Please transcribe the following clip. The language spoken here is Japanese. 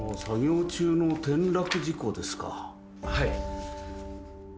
はい。